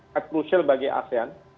yang krusial bagi asean